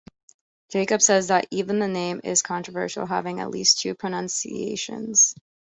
Jacobs says that "even the name" is controversial, having at least two pronunciations.